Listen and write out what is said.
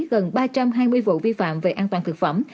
gần ba trăm hai mươi vụ vi phạm về an toàn thực phẩm